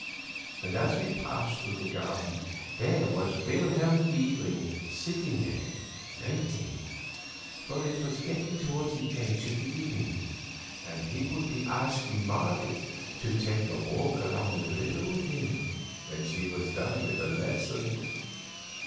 And as we passed through the garden, there was Wilhelm Meidling sitting there waiting, for it was getting toward the edge of the evening, and he would be asking Marget to take a walk along the river with him when she was done with the lesson.